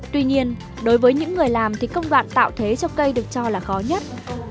tuy nhiên đối với những người làm thì công đoạn tạo thế cho cây được cho là khó nhất